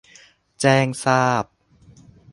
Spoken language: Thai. แจ้งทราบ